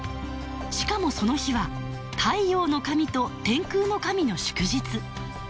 しかもその日は太陽の神と天空の神の祝日。